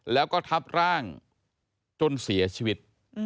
แล้วก็ทับร่างจนเสียชีวิต